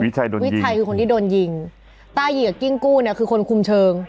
วิชัยคือคนที่โดนยิงตายเหยียกับกิ้งกู้เนี่ยคือคนคุมเชิง